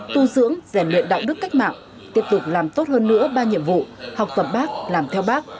tu dưỡng rèn luyện đạo đức cách mạng tiếp tục làm tốt hơn nữa ba nhiệm vụ học tập bác làm theo bác